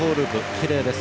きれいです。